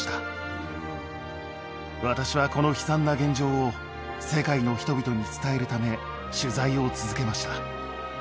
私はこの悲惨な現状を世界の人々に伝えるため取材を続けました。